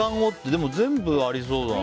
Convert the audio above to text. でも全部ありそうだな。